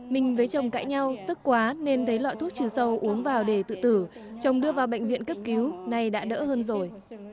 mình với chồng cãi nhau tức quá nên lấy loại thuốc trừ sâu uống vào để tự tử chồng đưa vào bệnh viện cấp cứu nay đã đỡ hơn rồi